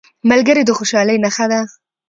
ملګری د خوشحالۍ نښه ده